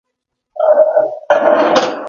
The strobe replaces that color.